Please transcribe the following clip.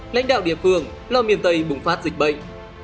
lãnh đạo địa phương lo miền tây bùng phát dịch bệnh